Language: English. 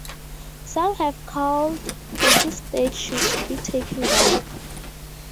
Some have called for his statue to be taken down.